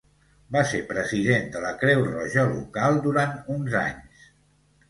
Va ser president de la Creu Roja local durant uns anys.